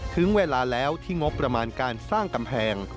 ถึงเวลาแล้วที่งบประมาณการสร้างกำแพง